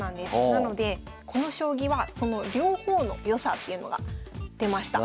なのでこの将棋はその両方の良さっていうのが出ました。